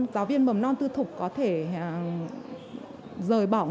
sau khi dịch thì rất nhiều khó khăn